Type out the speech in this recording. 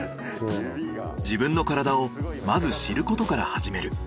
自分の体をまず知ることから始める。